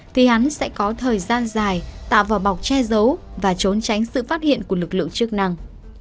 thì hắn sẽ có thời gian dài tạo vỏ bọc che giấu và trốn tránh sự phát hiện của lực lượng chức năng